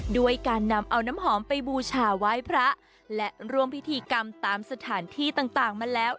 ด้วยการนำเอาน้ำหอมไปบูชาไว้พระและร่วมพิธีกรรมตามสถานที่ต่างมาแล้ว